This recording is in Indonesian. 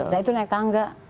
nah itu naik tangga